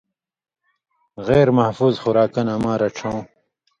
غیر محفوظ خوراکہ نہ اما رڇھؤں: